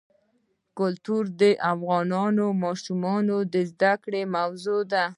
کلتور د افغان ماشومانو د زده کړې موضوع ده.